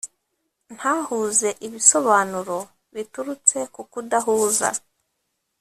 ntahuze ibisobanuro biturutse ku kudahuza.